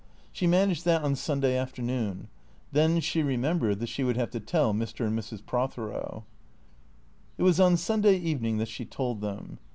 She managed that on Sunday afternoon. Then she remembered that she would have to tell Mr. and Mrs. Prothero. It was on Sunday evening that she told them.